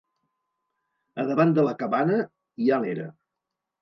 Al davant de la cabana hi ha l'era.